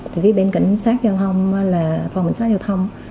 thì bên cảnh sát giao thông là phòng cảnh sát giao thông